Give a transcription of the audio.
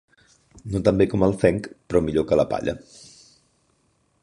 No tan bé com el fenc, però millor que la palla.